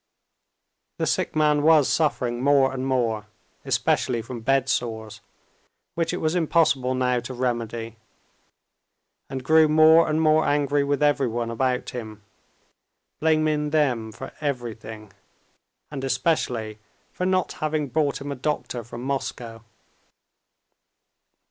The sick man was suffering more and more, especially from bedsores, which it was impossible now to remedy, and grew more and more angry with everyone about him, blaming them for everything, and especially for not having brought him a doctor from Moscow.